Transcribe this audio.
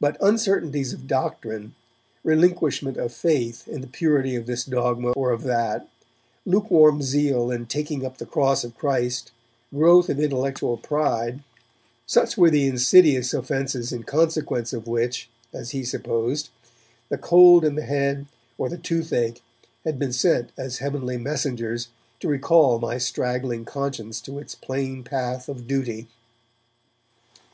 But uncertainties of doctrine, relinquishment of faith in the purity of this dogma or of that, lukewarm zeal in 'taking up the cross of Christ', growth of intellectual pride, such were the insidious offences in consequence of which, as he supposed, the cold in the head or the toothache had been sent as heavenly messengers to recall my straggling conscience to its plain path of duty.